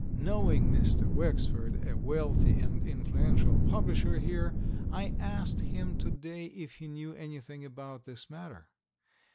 Knowing Mr. Wexford, a wealthy and influential publisher here, I asked him to day if he knew anything about this matter.